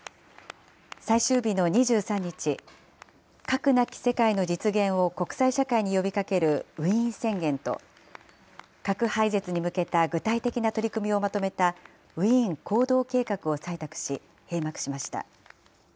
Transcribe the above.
最終日の２３日、核なき世界の実現を国際社会に呼びかけるウィーン宣言と、核廃絶に向けた具体的な取り組みをまとめたウィーン行動計画を採択し、閉幕しました。